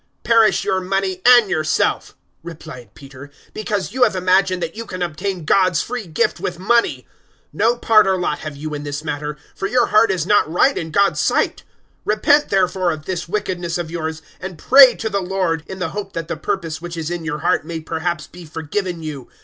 008:020 "Perish your money and yourself," replied Peter, "because you have imagined that you can obtain God's free gift with money! 008:021 No part or lot have you in this matter, for your heart is not right in God's sight. 008:022 Repent, therefore, of this wickedness of yours, and pray to the Lord, in the hope that the purpose which is in your heart may perhaps be forgiven you.